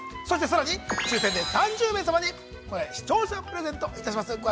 そして、さらに、抽せんで３０名様に視聴者プレゼントいたします！